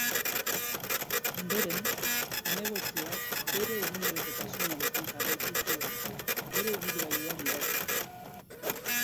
Ondoren, zinegotziak bere egunerokotasunarekin jarraitu zuen, bere ibilgailua gidatuz.